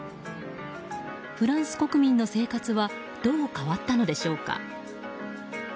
フランス国民の生活はどう変わったのでしょうか？